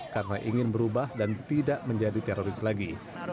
karena ingin berubah dan tidak menjadi teroris lagi